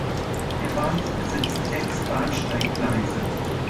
Der Bahnhof besitzt sechs Bahnsteiggleise.